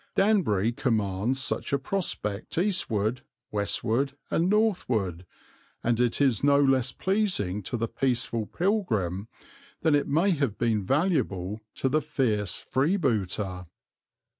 Danbury commands such a prospect eastward, westward and northward, and it is no less pleasing to the peaceful pilgrim than it may have been valuable to the fierce freebooter.